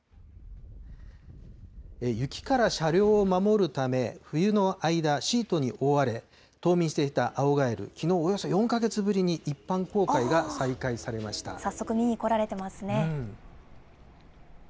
雪から車両を守るため、冬の間、シートに覆われ、冬眠していた青ガエル、きのう、およそ４か月ぶりに、一般公開が再開されました。